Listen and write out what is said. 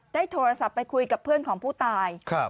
ได้โทรศัพท์ไปคุยกับเพื่อนของผู้ตาย